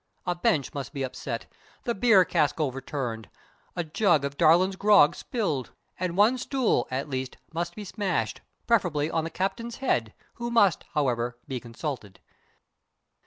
A bench must be upset, the beer cask overturned, a jug of Darlin's grog spilled, and one stool, at least, must be smashed preferably on the captain's head, who must, however, be consulted.